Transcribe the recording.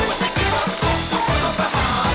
มันไม่ใช่รถตุ๊กตุ๊กมันรถมหาสนุก